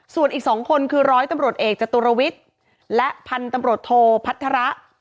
ส่วนอีก๒คนคือร้อยตำรวจเอกจตุรวิทย์และพันธุ์ตำรวจโทพัฒระ